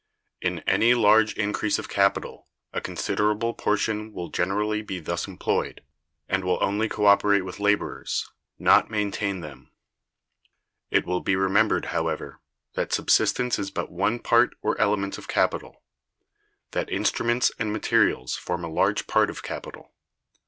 In any large increase of capital a considerable portion will generally be thus employed, and will only co operate with laborers, not maintain them. It will be remembered, however, that subsistence is but one part or element of capital; that instruments and materials form a large part of capital.